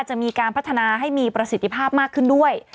จะมีการพัฒนาให้มีประสิทธิภาพมากขึ้นด้วย